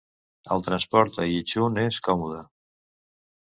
El transport a Yichun és còmode.